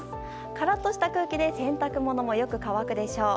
カラッとした空気で洗濯物もよく乾くでしょう。